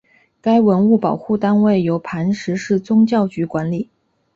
该文物保护单位由磐石市宗教局管理。